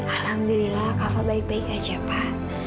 alhamdulillah kabar baik baik aja pak